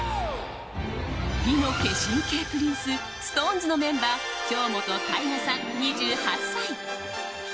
美の化身系プリンスＳｉｘＴＯＮＥＳのメンバー京本大我さん、２８歳。